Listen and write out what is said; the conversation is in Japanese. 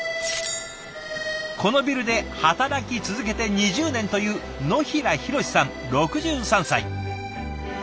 このビルで働き続けて２０年という野平裕嗣さん６３歳。